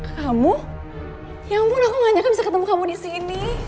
kamu ya ampun aku nganyakan bisa ketemu kamu di sini